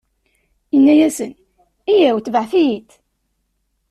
Inna-asen: Yyaw, tebɛet-iyi-d!